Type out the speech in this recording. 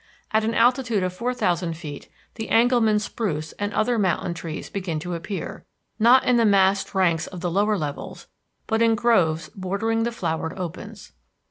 At an altitude of four thousand feet the Englemann spruce and other mountain trees begin to appear, not in the massed ranks of the lower levels, but in groves bordering the flowered opens.